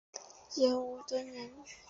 严虞敦人。